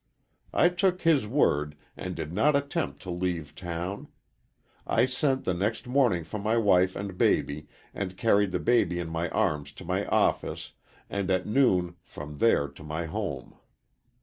"I took his word and did not attempt to leave town. I sent the next morning for my wife and baby, and carried the baby in my arms to my office, and at noon from there to my home.